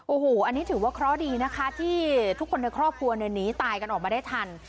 โอ้โหอันนี้ถือว่าเคราะห์ดีนะคะที่ทุกคนในครอบครัวเนี่ยหนีตายกันออกมาได้ทัน